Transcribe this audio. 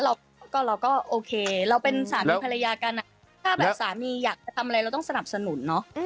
เราก็เราก็โอเคเราเป็นสามีภรรยากันถ้าแบบสามีอยากทำอะไรเราต้องสนับสนุนเนอะ